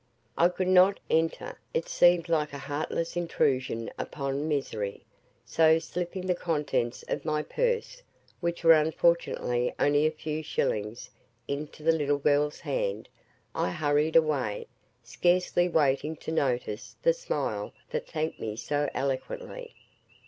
I could not enter; it seemed like a heartless intrusion upon misery; so, slipping the contents of my purse (which were unfortunately only a few shillings) into the little, girl's hand, I hurried away, scarcely waiting to notice the smile that thanked me so eloquently.